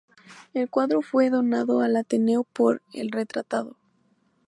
El cuadro fue donado al Ateneo por el retratado.